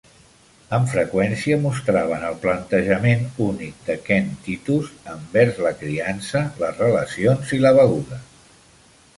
Amb freqüència mostraven el plantejament únic de Ken Titus envers la criança, les relacions i la beguda.